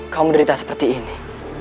kamu menderita seperti ini